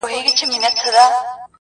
زور د زورور پاچا، ماته پر سجده پرېووت.